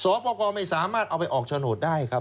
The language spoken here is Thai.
ส่อปลกไม่สามารถเอาไปออกชะโนดได้ครับ